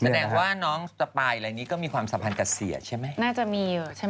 แสดงว่าน้องสปายอะไรนี้ก็มีความสัมพันธ์กับเสียใช่ไหม